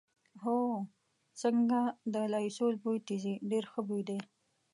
او، څنګه د لایسول بوی دې ځي، ډېر ښه بوی دی.